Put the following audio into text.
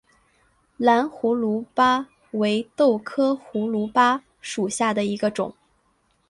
蓝胡卢巴为豆科胡卢巴属下的一个种。